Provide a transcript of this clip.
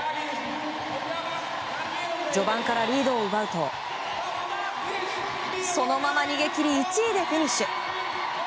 序盤からリードを奪うとそのまま逃げ切り１位でフィニッシュ。